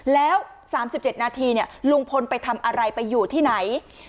แล้ว๓๗นาทีลุงพลไปทำอะไรไปอยู่ที่ไหน